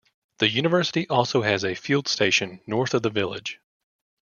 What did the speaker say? The University also has a field station north of the village.